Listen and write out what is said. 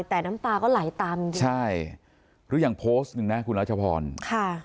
แต่น้ำตาก็ไหลตามจริงจริงใช่หรืออย่างโพสต์หนึ่งนะคุณรัชพรค่ะ